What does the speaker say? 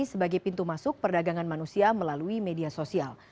sebagai pintu masuk perdagangan manusia melalui media sosial